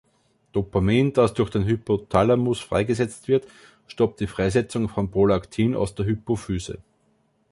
Dopamin, das durch den Hypothalamus freigesetzt wird, stoppt die Freisetzung von Prolaktin aus der Hypophyse.